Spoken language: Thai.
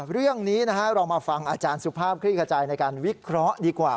เรื่องนี้เรามาฟังอาจารย์สุภาพคลี่ขจายในการวิเคราะห์ดีกว่า